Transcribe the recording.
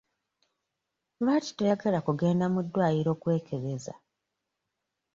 Lwaki toyagala kugenda mu ddwaliro kwekebeza?